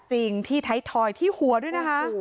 จริงที่ไทยทอยที่หัวด้วยนะคะ